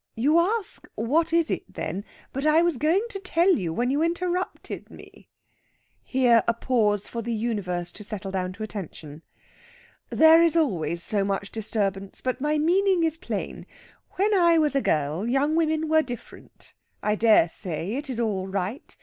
You ask, 'What is it, then?' But I was going to tell you when you interrupted me." Here a pause for the Universe to settle down to attention. "There is always so much disturbance; but my meaning is plain. When I was a girl young women were different.... I dare say it is all right.